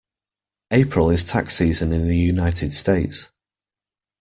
April is tax season in the United States.